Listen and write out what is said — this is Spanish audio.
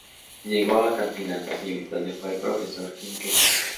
Llegó a Campinas, Brasil, donde fue profesor Química y Física.